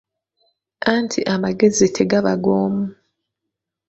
Anti amagezi tegaba g'omu.